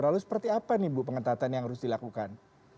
lalu seperti apa nih bu pengetatan yang harus dilakukan